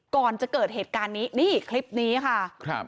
ก่อนจะเกิดเหตุการณ์นี้นี่คลิปนี้ค่ะครับ